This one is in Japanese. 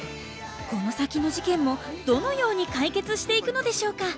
この先の事件もどのように解決していくのでしょうか？